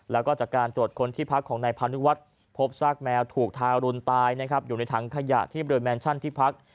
แล้วก็จากการตรวจคนที่พักของนายพานุวัฒน์พบซากแมวถูกทารุณตายนะครับอยู่ในถังขยะที่บริเวณแมนชั่นที่พัก